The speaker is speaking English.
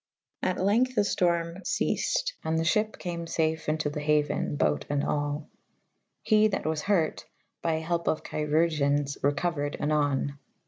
At length the ftorme feaced / and the fhyp came fafe into the hauen / bote and all. He that was hurt (by helpe of Chirurgiens) recouered anon.